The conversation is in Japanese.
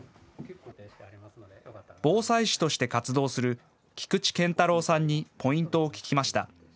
防災士として活動する菊池顕太郎さんにポイントを聞きました。